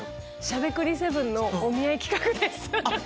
『しゃべくり００７』のお見合い企画です。